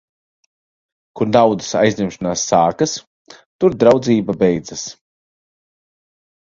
Kur naudas aizņemšanās sākas, tur draudzība beidzas.